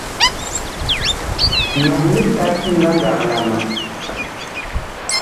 Nyɔŋ litat ngandag la ma.